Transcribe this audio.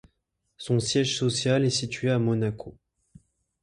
Son siège social est situé à Monaco.